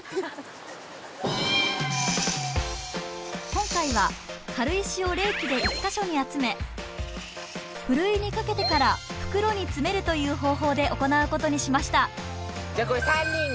今回は軽石をレーキで１か所に集めふるいにかけてから袋に詰めるという方法で行うことにしました。